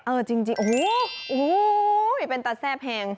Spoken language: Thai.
เออจริงโอ้โหเป็นตาแทร่แพง